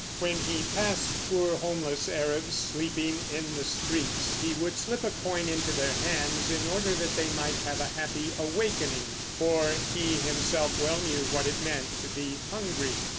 When he passed poor homeless Arabs sleeping in the streets he would slip a coin into their hands, in order that they might have a happy awakening; for he himself knew well what it meant to be hungry.